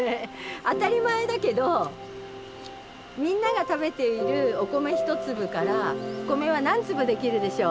当たり前だけどみんなが食べているお米１粒からお米は何粒出来るでしょう？